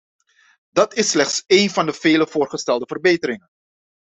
Dat is slechts één van de vele voorgestelde verbeteringen.